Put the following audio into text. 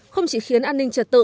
không chỉ khiến an ninh trật tự